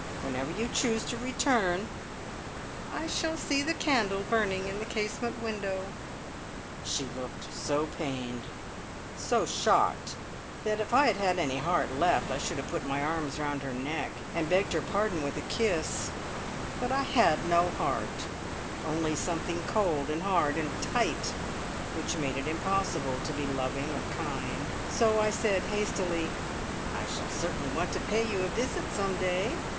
Whenever you choose to return " "I shall see the candle burning in the casement window!" She looked so pained, so shocked, that if I had had any heart left I should have put my arms round her neck, and begged her pardon with a kiss; but I had no heart, only something cold, and hard, and tight, which made it impossible to be loving or kind, so I said hastily: "I shall certainly want to pay you a visit some day.